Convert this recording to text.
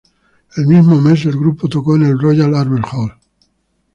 El mismo mes, el grupo tocó en el Royal Albert Hall.